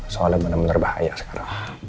soalnya bener bener bahaya sekarang